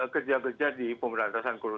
kerja kerja di pemerintah